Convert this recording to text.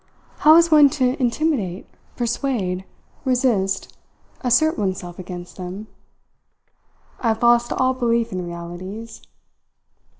How is one to intimidate, persuade, resist, assert oneself against them? I have lost all belief in realities